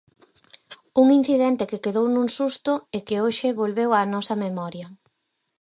Un incidente que quedou nun susto e que hoxe volveu á nosa memoria.